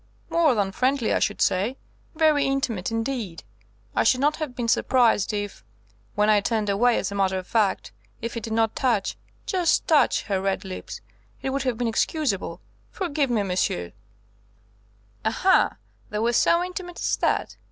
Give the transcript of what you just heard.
"More than friendly, I should say. Very intimate indeed. I should not have been surprised if when I turned away as a matter of fact if he did not touch, just touch, her red lips. It would have been excusable forgive me, messieurs." "Aha! They were so intimate as that?